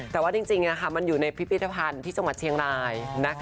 แต่ว่าจริงมันอยู่ในพิพิธภัณฑ์ที่จังหวัดเชียงราย